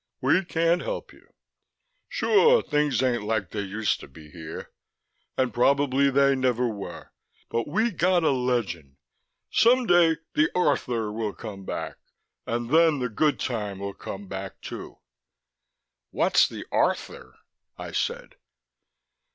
We can't help you. Sure, things ain't like they used to be here and prob'ly they never were. But we got a legend: someday the Rthr will come back ... and then the Good Time will come back too." "What's the Rthr?" I said.